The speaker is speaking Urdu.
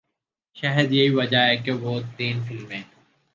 شاید یہی وجہ ہے کہ وہ تین فلمیں